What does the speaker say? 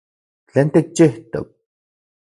¿Tlen tikchijtok?